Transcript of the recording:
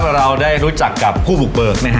เราได้รู้จักกับผู้บุกเบิกนะฮะ